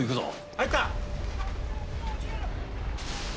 入った！